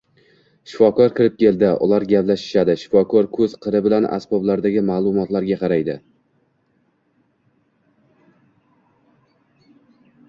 Shifokor kirib keldi, ular gaplashishadi, shifokor ko`z qiri bilan asboblardagi ma`lumotlarga qaraydi